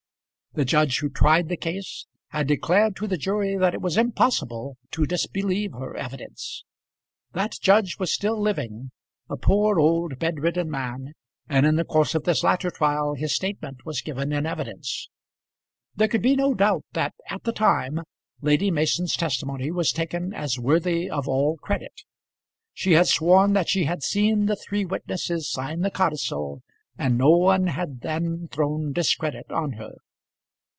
The judge who tried the case had declared to the jury that it was impossible to disbelieve her evidence. That judge was still living, a poor old bedridden man, and in the course of this latter trial his statement was given in evidence. There could be no doubt that at the time Lady Mason's testimony was taken as worthy of all credit. She had sworn that she had seen the three witnesses sign the codicil, and no one had then thrown discredit on her.